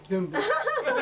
ハハハハ！